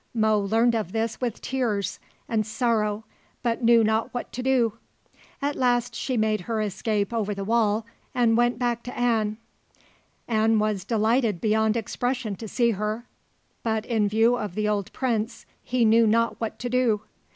Mo learned of this with tears and sorrow, but knew not what to do. At last she made her escape over the wall and went back to An. An was delighted beyond expression to see her; but, in view of the old prince, he knew not what to do.